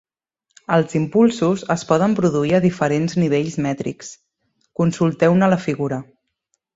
Els impulsos es poden produir a diferents nivells mètrics - consulteu-ne la figura.